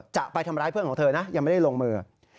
จะไปทำร้ายเพื่อนของเธอนะยังไม่ได้ลงมือ